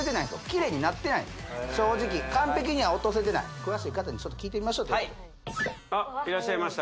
キレイになってない正直完璧には落とせてない詳しい方にちょっと聞いてみましょうということであっいらっしゃいました